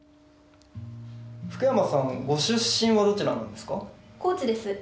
フクヤマさんご出身はどちらなんですか？